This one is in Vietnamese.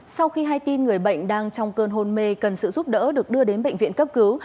sau khi hai tin người bệnh đang trong cơn hôn mê cần sự giúp đỡ được đưa đến bệnh viện cấp cứu